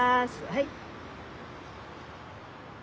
はい。